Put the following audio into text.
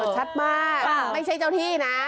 ชัดมากไม่ใช่เจ้าที่นะ